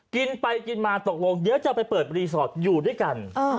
กินไปกินมาตกลงเดี๋ยวจะไปเปิดรีสอร์ทอยู่ด้วยกัน